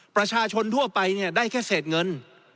ประชาชนทั่วไปได้แค่เศษเงิน